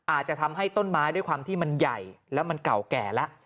อาจจะทำให้ต้นไม้ด้วยความที่มันใหญ่แล้วมันเก่าแก่แล้ว